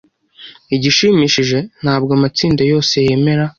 Igishimishije ntabwo amatsinda yose yemera